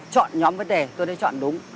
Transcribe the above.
chọn nhóm vấn đề tôi thấy chọn đúng